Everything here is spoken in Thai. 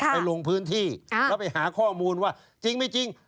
ลงพื้นที่แล้วไปหาข้อมูลว่าจริงไม่จริง